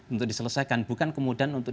untuk diselesaikan bukan kemudian untuk